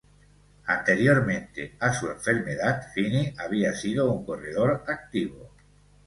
Anteriormente a su enfermedad, Finney había sido un corredor activo.